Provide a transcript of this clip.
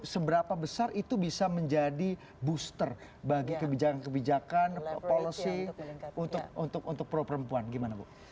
seberapa besar itu bisa menjadi booster bagi kebijakan kebijakan policy untuk pro perempuan gimana bu